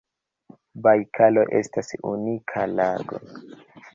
Bajkalo estas unika lago.